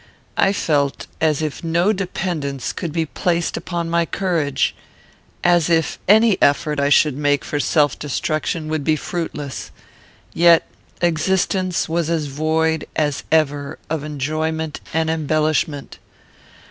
I felt as if no dependence could be placed upon my courage, as if any effort I should make for self destruction would be fruitless; yet existence was as void as ever of enjoyment and embellishment.